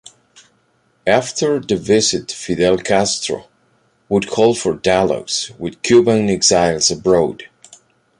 After the visit Fidel Castro would call for dialogues with Cuban exiles abroad.